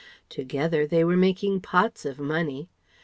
Together they were making pots of money.